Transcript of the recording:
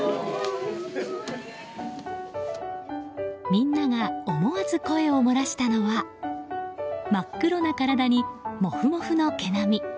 みんなが思わず声をもらしたのは真っ黒な体にモフモフの毛並。